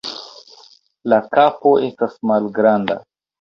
La kapo estas malgranda.